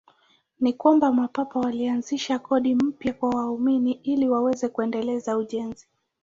Ni kwamba Mapapa walianzisha kodi mpya kwa waumini ili waweze kuendeleza ujenzi.